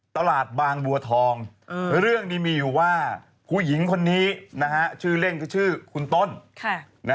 ตลาดบางบัวทองเรื่องนี้มีอยู่ว่าผู้หญิงคนนี้นะฮะชื่อเล่นก็ชื่อคุณต้น